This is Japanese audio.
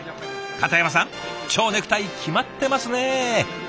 片山さんちょうネクタイ決まってますね！